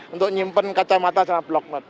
untuk menyimpan kacamata dan blokmed